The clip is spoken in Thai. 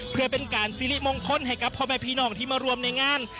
เพื่อเป็นการสิริมงคลให้กับพ่อแม่พี่น้องที่มารวมในงาน